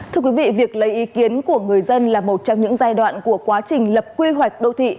thưa quý vị việc lấy ý kiến của người dân là một trong những giai đoạn của quá trình lập quy hoạch đô thị